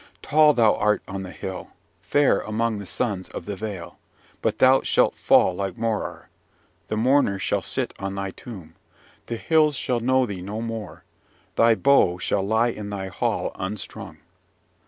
Tall thou art on the hill; fair among the sons of the vale. But thou shalt fall like Morar: the mourner shall sit on thy tomb. The hills shall know thee no more: thy bow shall lie in thy hall unstrung!